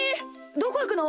どこいくの？